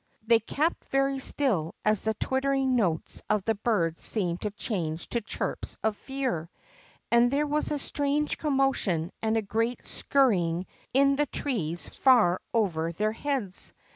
They kept very still as the twittering notes of the birds seemed to change to chirps of fear, and there was a strange commotion and a great scurry ing in the trees far over their heads.